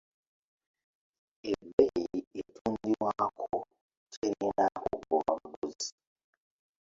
Ebbeeyi etundirwako terina kugoba baguzi.